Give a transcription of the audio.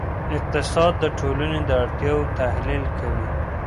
اقتصاد د ټولنې د اړتیاوو تحلیل کوي.